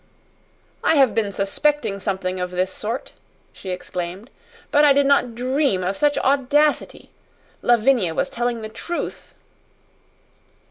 "I have been suspecting something of this sort," she exclaimed; "but I did not dream of such audacity. Lavinia was telling the truth."